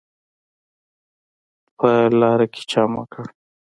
په لاره کې چم وکړ.